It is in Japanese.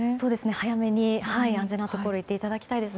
早めに安全なところに行っていただきたいです。